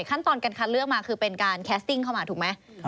ขั้นตอนการคัดเลือกมาคือเป็นการแคสติ้งเข้ามาถูกไหม